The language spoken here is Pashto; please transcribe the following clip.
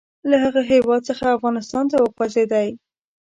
له هغه هیواد څخه افغانستان ته وخوځېدی.